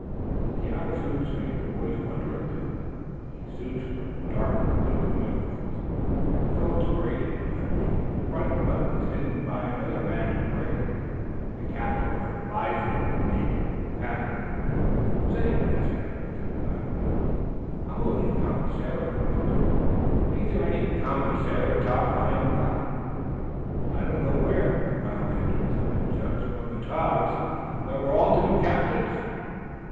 But the outer suits made the boys wonder a bit. These suits were dark blue uniforms, the coats braided, and the front buttons hidden by another band of braid. The caps were of visored naval pattern. "Say," asked Eph, looking about him, "I'm only a common sailor, at most. Ain't there any common sailor togs lying about?" "I don't know where," smiled Andrews. "I judge, from the togs, that we're all to be captains."